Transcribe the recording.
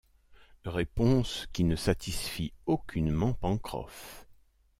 Réponse qui ne satisfit aucunement Pencroff.